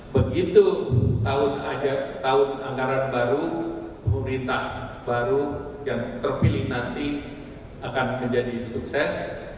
begitu tahun anggaran baru pemerintah baru yang terpilih nanti akan menjadi sukses